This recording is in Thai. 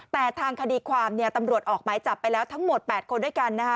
แต่ทางคดีความตำรวจออกหมายจับไปแล้วทั้งหมด๘คนด้วยกันนะคะ